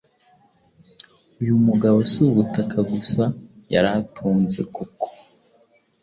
Uyu mugabo si ubutaka gusa yari atunze kuko,